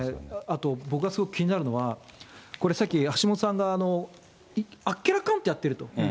あと、僕はすごく気になるのは、これさっき、橋本さんがあっけらかんとやってると。